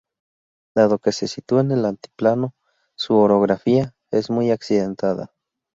Dado que se sitúa en el altiplano, su orografía es muy accidentada.